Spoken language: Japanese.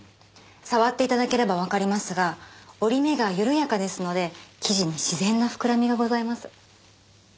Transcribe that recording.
触っていただければわかりますが織り目がゆるやかですので生地に自然なふくらみがございます。